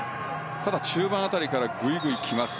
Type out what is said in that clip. ただ、中盤辺りからグイグイ来ます。